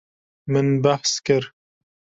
Min behs kir.